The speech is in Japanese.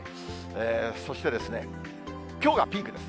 そして、きょうがピークです。